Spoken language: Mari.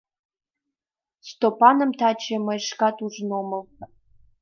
Стопаным таче мый шкат ужын омыл.